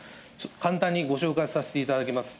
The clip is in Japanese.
簡単にご紹介させていただきます。